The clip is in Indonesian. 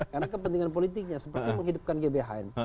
karena kepentingan politiknya seperti menghidupkan gbhn